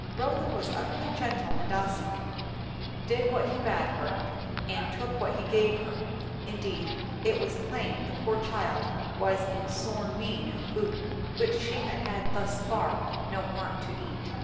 Rotha was utterly gentle and docile; did what he bade her and took what he gave her; indeed it was plain the poor child was in sore need of food, which she had had thus far no heart to eat.